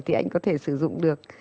thì anh có thể sử dụng được